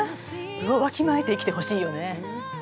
分をわきまえて生きてほしいよね。